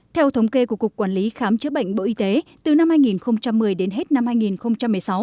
theo thống kê của cục quản lý khám chữa bệnh bộ y tế từ năm hai nghìn một mươi đến hết năm hai nghìn một mươi sáu